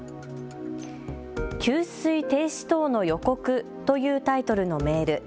給水停止等の予告というタイトルのメール。